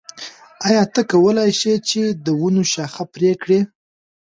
آیا ته کولای شې چې د ونو شاخه بري وکړې؟